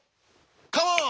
カモン！